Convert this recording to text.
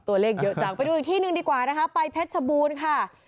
ตัวเลขเยอะจังไปดูอีกที่หนึ่งดีกว่านะคะไปเพชรชบูรณ์ค่ะ